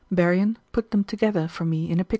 Berrian put them together for me in a picture.